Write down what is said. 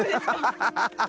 ハハハハ！